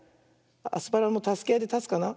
アスパラもたすけあいでたつかな。